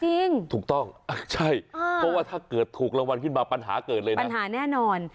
จริงถูกต้องใช่เพราะว่าถ้าเกิดถูกรางวัลขึ้นมาปัญหาเกิดเลยนะปัญหาแน่นอน